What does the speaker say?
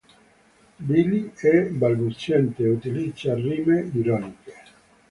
Billy è balbuziente e utilizza rime ironiche.